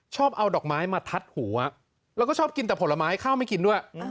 ชอบเอาดอกไม้มาทัดหัวแล้วก็ชอบกินแต่ผลไม้ข้าวไม่กินด้วย